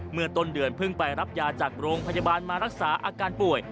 เมื่อต้นเดือนเพิ่งไปรับยาจากโรงพยาบาลมารักษาอาการป่วย